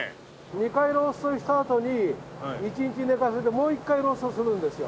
２回ローストしたあとに１日寝かせてもう１回ローストするんですよ。